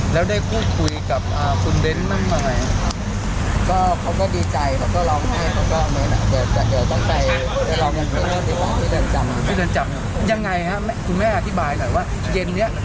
ที่เรือนจำยังไงครับคุณแม่อธิบายหน่อยว่าเย็นเนี่ย